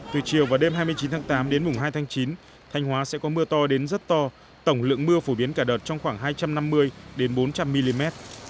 từ chiều và đêm hai mươi chín tháng tám đến mùng hai tháng chín thanh hóa sẽ có mưa to đến rất to tổng lượng mưa phổ biến cả đợt trong khoảng hai trăm năm mươi đến bốn trăm linh mm